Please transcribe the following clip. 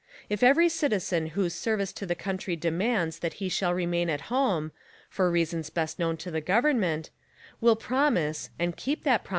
If every citizen whose service to the country demands that he shall remain at home — for reasons best known to the government — will promise, and keep that prom.